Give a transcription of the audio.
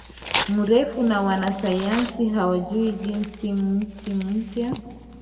mrefu Na Wanasayansi hawajui Jinsi Mti mpya